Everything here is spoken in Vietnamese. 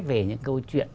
về những câu chuyện